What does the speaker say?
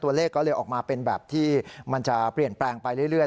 ตัวเลขก็เลยออกมาเป็นแบบที่มันจะเปลี่ยนแปลงไปเรื่อย